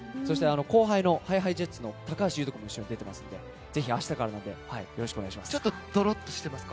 後輩のＨｉＨｉＪｅｔｓの高橋優斗君も出ていますのでぜひ明日からよろしくお願いします。